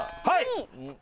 はい。